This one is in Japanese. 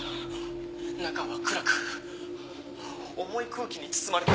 中は暗く重い空気に包まれて。